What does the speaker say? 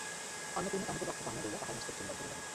অন্নপূর্ণা তাহাকে বক্ষে টানিয়া লইয়া তাহার মস্তকচুম্বন করিলেন।